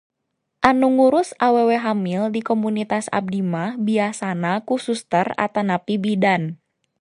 Anu ngurus awewe hamil di komunitas abdi mah biasana ku suster atanapi bidan.